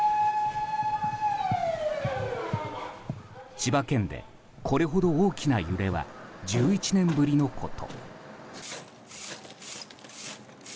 千葉県でこれほど大きな揺れは１１年ぶりのこと。